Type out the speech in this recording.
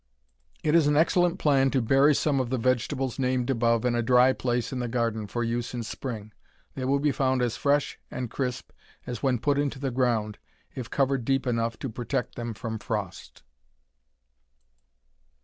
It is an excellent plan to bury some of the vegetables named above in a dry place in the garden, for use in spring. They will be found as fresh and crisp as when put into the ground, if covered deep enough to protect them from frost.